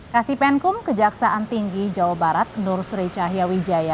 kasipenkum kejaksaan tinggi jawa barat nur sri cahya wijaya